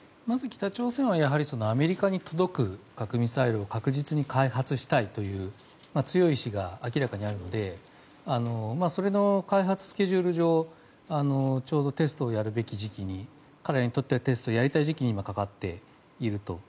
まず北朝鮮はアメリカに届く核ミサイルを確実に開発したいという強い意志が明らかにあるのでそれの開発スケジュール上ちょうどテストをやるべき時期に彼らにとってテストをやりたい時期にかかっていると。